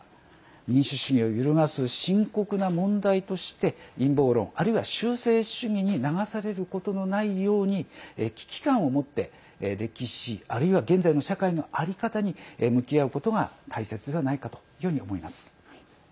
民主主義を揺るがす深刻な問題として陰謀論、あるいは修正主義に流されることのないように危機感を持って歴史あるいは現在の社会の在り方に向き合うことが大切ではないかというふうに思います。